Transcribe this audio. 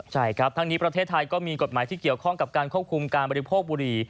ใช่ครับทั้งนี้ประเทศไทยก็มีกฎหมายที่เกี่ยวข้องกับการควบคุมการบริโภคบุรี